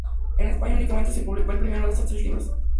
En Español únicamente se publicó el primero de estos tres libros.